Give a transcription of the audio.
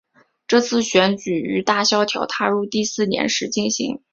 这次选举于大萧条踏入第四年时进行。